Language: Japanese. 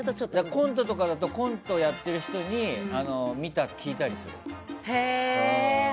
コントとかだとコントやっている人に見たり聞いたりする。